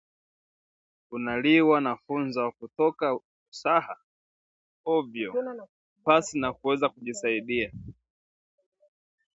unaliwa na funza na kutoka usaha ovyo pasi na kuweza kujisaidia